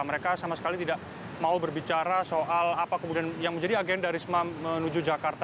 mereka sama sekali tidak mau berbicara soal apa kemudian yang menjadi agenda risma menuju jakarta